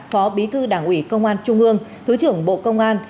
phó bí thư đảng ủy công an trung ương thứ trưởng bộ công an